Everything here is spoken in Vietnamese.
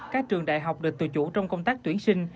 các trường đại học được tự chủ trong công tác tuyển sinh